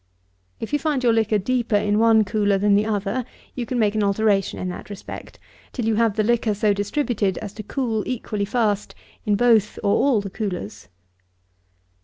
If you find your liquor deeper in one cooler than the other, you can make an alteration in that respect, till you have the liquor so distributed as to cool equally fast in both, or all, the coolers.